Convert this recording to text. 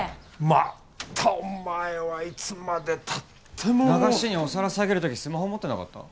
またお前はいつまでたってももう流しにお皿下げる時スマホ持ってなかった？